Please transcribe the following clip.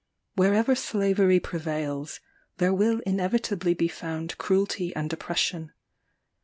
Wherever slavery prevails, there will inevitably be found cruelty and oppression.